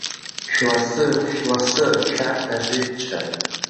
Шәласы, шәласы, шәарҭ ажидцәа!